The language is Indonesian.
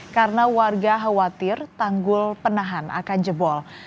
karena warga khawatir tanggul penahan akan jebol